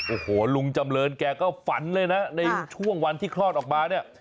โอ้โหลุงจำเรินแกก็ฝันเลยนะในช่วงวันที่คลอดออกมาเนี่ย